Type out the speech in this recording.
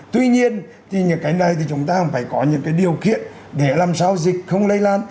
tuy nhiên thì những cái này thì chúng ta cũng phải có những cái điều kiện để làm sao dịch không lây lan